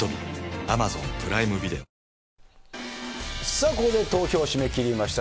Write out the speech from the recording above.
さあ、ここで投票締め切りました。